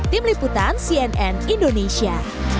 tim liputan cnn indonesia